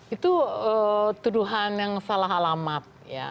itu tuduhan yang salah alamat